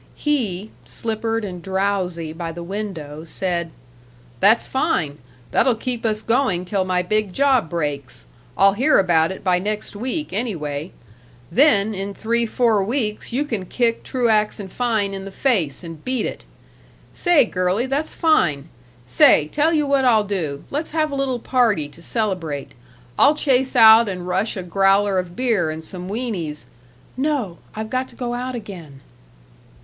He slippered and drowsy by the window said: "That's fine; that'll keep us going till my big job breaks. I'll hear about it by next week, anyway. Then, in three four weeks you can kick Truax & Fein in the face and beat it. Say, girlie, that's fine! Say, tell you what I'll do. Let's have a little party to celebrate. I'll chase out and rush a growler of beer and some wienies " "No! I've got to go out again."